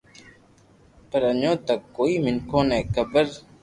پر اڄو تڪ ڪوئي مينکو ني خبر